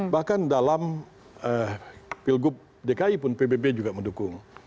bahkan dalam pilgub dki pun pbb juga mendukung